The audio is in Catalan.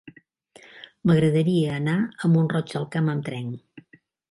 M'agradaria anar a Mont-roig del Camp amb tren.